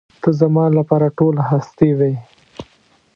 ته زما لپاره ټوله هستي وې.